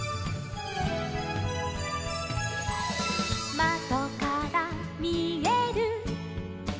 「まどからみえる」